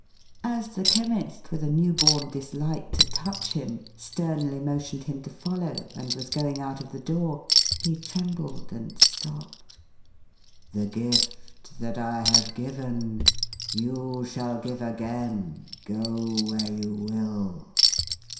" As the Chemist, with a new born dislike to touch him, sternly motioned him to follow, and was going out of the door, he trembled and stopped. "The gift that I have given, you shall give again, go where you will